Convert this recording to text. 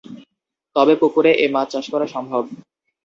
তবে পুকুরে এ মাছ চাষ করা সম্ভব।